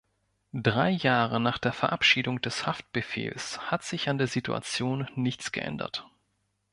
Drei Jahre nach der Verabschiedung des Haftbefehls hat sich an der Situation nichts geändert.